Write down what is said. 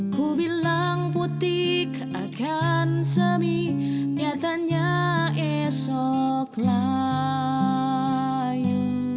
ku bilang putih keakan semi nyatanya esok layu